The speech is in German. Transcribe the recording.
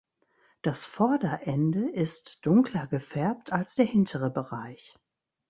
Das Vorderende ist dunkler gefärbt als der hintere Bereich.